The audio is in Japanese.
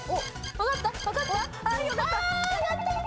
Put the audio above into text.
分かった？